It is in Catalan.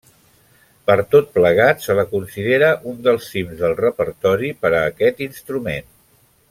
Per tot plegat se la considera un dels cims del repertori per a aquest instrument.